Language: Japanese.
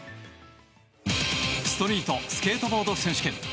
ストリートスケートボード選手権。